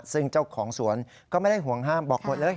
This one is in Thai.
ซึ่งเจ้าของสวนก็ไม่ได้ห่วงห้ามบอกหมดเลย